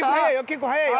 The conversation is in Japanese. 結構速いよ！